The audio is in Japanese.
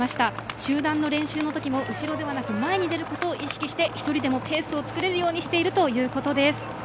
集団の練習の時も後ろではなく前に出ることを意識して１人でもペースを作れるようにしているということです。